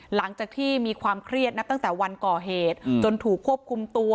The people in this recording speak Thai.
หลังจากที่มีความเครียดนับตั้งแต่วันก่อเหตุจนถูกควบคุมตัว